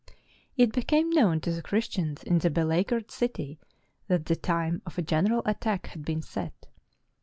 [It became known to the Christians in the beleaguered city that the time for a general attack had been set.